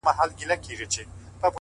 دا څو شپې کيږي له يوسفه سره لوبې کوم _